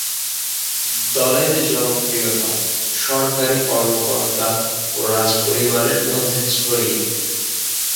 দলের জনপ্রিয়তা সরকারী কর্মকর্তা ও রাজপরিবারের মধ্যে ছড়িয়ে।